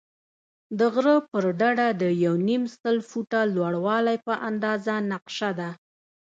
د غره پر ډډه د یو نیم سل فوټه لوړوالی په اندازه نقشه ده.